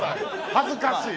恥ずかしい。